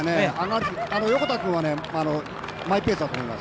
横田君はマイペースだと思います。